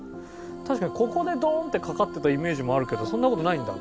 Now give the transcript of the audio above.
確かにここでドーンってかかってたイメージもあるけどそんな事ないんだ。